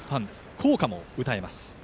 校歌も歌えます。